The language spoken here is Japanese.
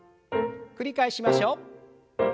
繰り返しましょう。